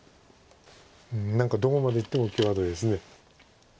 何かどこまでいっても際どいです。